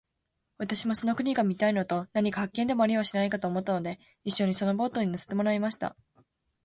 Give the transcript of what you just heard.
私もその国が見たいのと、何か発見でもありはしないかと思ったので、一しょにそのボートに乗せてもらいました。